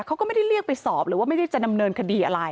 เขาก็ไม่ได้เรียกไปสอบหรือว่าไม่ได้จะดำเนินคดีอะไร